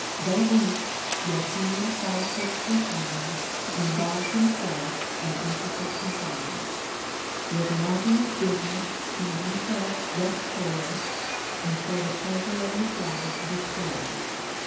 Though weak, yet he in politics refines, Involves himself in intricate designs ; With nauseous business he himself doth cloy, And so the pleasure of his life destroy.